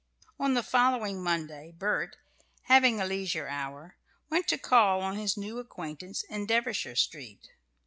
On the following Monday Bert, having a leisure hour, went to call on his new acquaintance in Devonshire Street.